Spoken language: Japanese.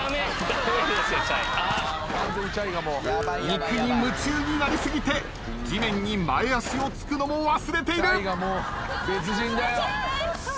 肉に夢中になり過ぎて地面に前足を着くのも忘れている。